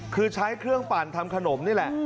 คือใช้เครื่องปั่นทำขนมนี่แหละ